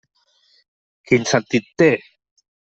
Quin sentit té?